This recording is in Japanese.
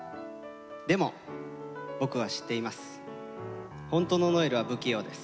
でも僕は知っています。